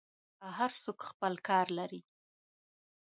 هر څوک خپل کار لري.